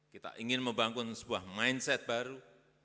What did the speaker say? kita ingin membangun sebuah mindset baru